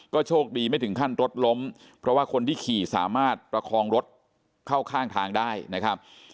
โชคดีไม่ถึงขั้นรถล้มเพราะว่าคนที่ขี่สามารถประคองรถเข้าข้างทางได้นะครับ